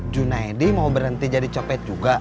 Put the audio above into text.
junaidi mau berhenti jadi copet juga